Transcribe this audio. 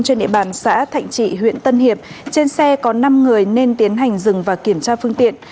trên địa bàn xã thạnh trị huyện tân hiệp trên xe có năm người nên tiến hành dừng và kiểm tra phương tiện